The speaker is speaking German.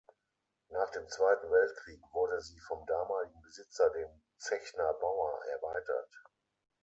Nach dem Zweiten Weltkrieg wurde sie vom damaligen Besitzer, dem „Zechner-Bauer“, erweitert.